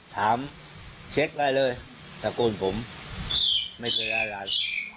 ถามเช็คได้เลยสกุลผมไม่เคยรายร้าน